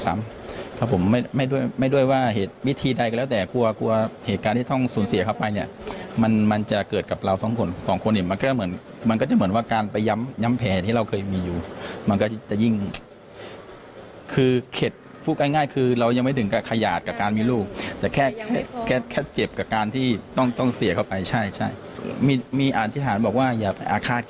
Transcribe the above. ครับผมไม่ไม่ด้วยไม่ด้วยว่าเหตุวิธีใดก็แล้วแต่กลัวกลัวเหตุการณ์ที่ต้องสูญเสียเข้าไปเนี่ยมันมันจะเกิดกับเราสองคนสองคนเนี่ยมันก็เหมือนมันก็จะเหมือนว่าการไปย้ำย้ำแผลที่เราเคยมีอยู่มันก็จะยิ่งคือเข็ดพูดง่ายง่ายคือเรายังไม่ถึงกับขยาดกับการมีลูกแต่แค่แค่แค่เจ็บกับการที่ต้องต้องเสียเข้าไปใช่ใช่มีมีอธิษฐานบอกว่าอย่าไปอาฆ